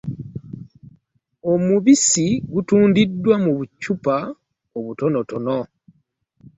Omubisi gutundibwa mu bucupa obutonotono.